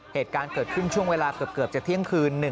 เหตุการณ์เกิดขึ้นช่วงเวลาเกือบจะเที่ยงคืน